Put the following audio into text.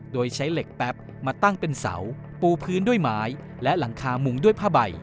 โดยใช้เหล็กแป๊บมาตั้งเป็นเสาปูพื้นด้วยไม้และหลังคามุงด้วยผ้าใบ